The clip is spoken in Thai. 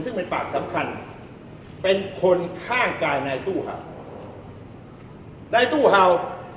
ซึ่งเป็นปากสำคัญเป็นคนข้างกายนายตู้เห่าในตู้เห่า